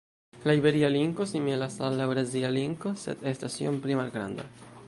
La iberia linko similas al la eŭrazia linko, sed estas iom pli malgranda.